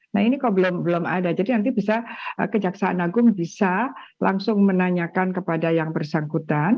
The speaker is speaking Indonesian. nah ini kok belum ada jadi nanti bisa kejaksaan agung bisa langsung menanyakan kepada yang bersangkutan